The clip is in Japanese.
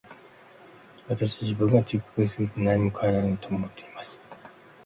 私は自分がちっぽけすぎて何も変えられないと思っていました。